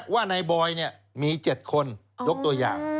ว่าในบอยนี่มี๗คนยกตัวอย่าง